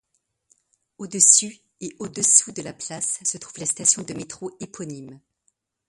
Au-dessus et au-dessous de la place se trouve la station de métro éponyme.